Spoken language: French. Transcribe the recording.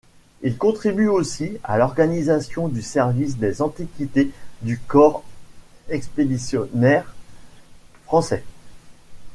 Il contribue aussi à l'organisation du Service des antiquités du corps expéditionnaire français.